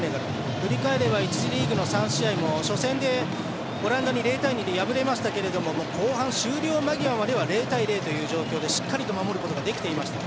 振り返れば１次リーグの３試合も初戦でオランダに敗れましたけども後半、終了間際までは０対０という状況でしっかりと守れていました。